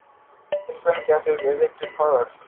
Spent cases are ejected forwards.